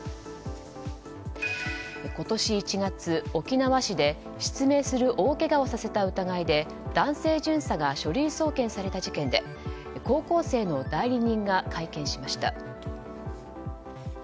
今年１月、沖縄市で失明する大けがをさせた疑いで男性巡査が書類送検された事件で高校生の代理人が会見しました。